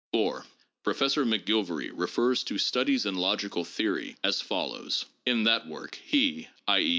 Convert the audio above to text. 4. Professor McGilvary refers to Studies in Logical Theory as fol lows : "In that work he [/'. e.